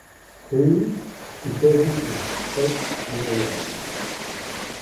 "See" Resurgence of freight railroads.